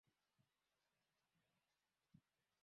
hii yeboyebo aina zote za nywele tunasuka eehee